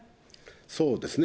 そうですね。